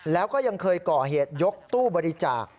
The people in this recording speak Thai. แล้วก็ยังเคยก่อเหตุยกตู้บริจาค